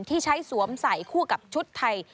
ที่ใช้สวมใส่คู่กับชุดไทย